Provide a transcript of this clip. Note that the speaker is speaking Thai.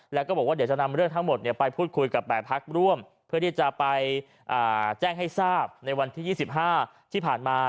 แล้วก็บอกว่าเดี๋ยวจะนำเรื่องทั้งหมดไปพูดคุยกับ๘พักร่วมเพื่อที่จะไปแจ้งให้ทราบในวันที่๒๕ที่ผ่านมา